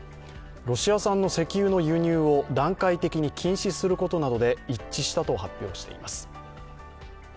ロシア産の石油の輸入を段階的に禁止することなどで一致したと発表しています。